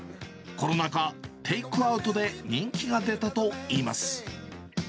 コロナ禍、テイクアウトで人気が出たといいます。